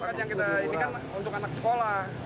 ini kan untuk anak sekolah